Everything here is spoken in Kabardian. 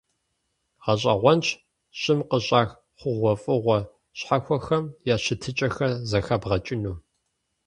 ГъэщӀэгъуэнщ щӀым къыщӀах хъугъуэфӀыгъуэ щхьэхуэхэм я щытыкӀэхэр зэхэбгъэкӀыну.